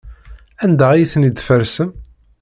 Anda ay ten-id-tfarsem?